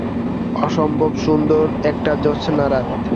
অসম্ভব সুন্দর একটা জোছনা রাত।